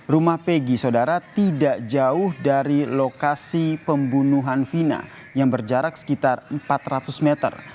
rumah pegi saudara tidak jauh dari lokasi pembunuhan vina yang berjarak sekitar empat ratus meter